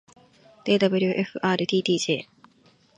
で ｗｆｒｔｔｊ